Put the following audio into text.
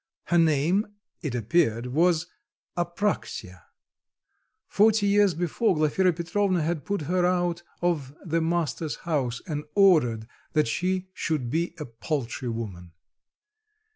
Her name, it appeared, was Apraxya; forty years before, Glafira Petrovna had put her out of the master's house and ordered that she should be a poultry woman.